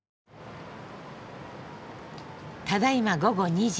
ただいま午後２時。